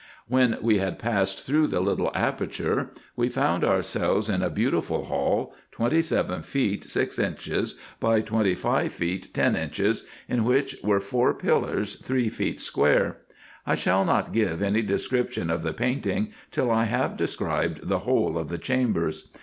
When we had passed through the little aperture, we found our H H 9JU RESEARCHES AND OPERATIONS selves in a beautiful hall, twenty seven feet six inches by twenty five feet ten inches, in which were four pillars three feet square. I shall not give any description of the painting, till I have described the whole of the chambers.